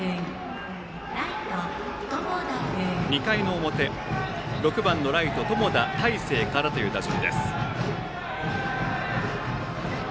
２回表、６番ライト友田泰成からという打順。